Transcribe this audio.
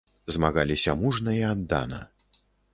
Змагаліся мужна і аддана.